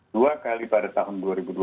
dua kali pada tahun dua ribu dua puluh